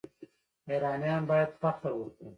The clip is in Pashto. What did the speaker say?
ایرانیان باید فخر وکړي.